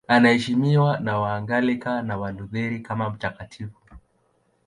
Anaheshimiwa na Waanglikana na Walutheri kama mtakatifu.